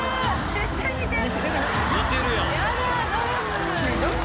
めっちゃ似てる！